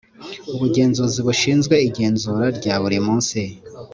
ubugenzuzi bushinzwe igenzura rya buri munsi